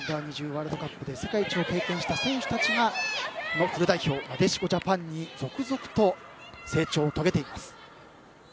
ワールドカップで世界一を経験した選手たちがフル代表、なでしこジャパンに続々と成長を遂げています。